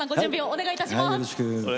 お願いいたします。